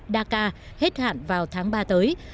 đa ca hết hạn vào tháng ba tới